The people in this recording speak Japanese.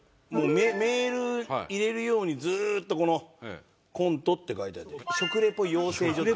メール入れるようにずっとこの「コント」って書いてあって「食レポ養成所」って。